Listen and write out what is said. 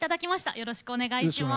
よろしくお願いします。